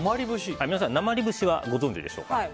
皆さんなまり節はご存じでしょうか。